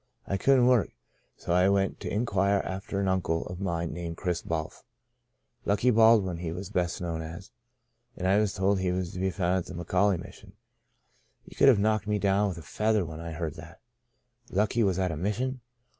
I couldn't work, so I went to inquire after an uncle of mine named Chris Balf — Lucky Baldwin he was best known as — and I was told he was to be found at the McAuley Mission. You could have knocked me down with a feather when I heard that. * Lucky ' was at a mission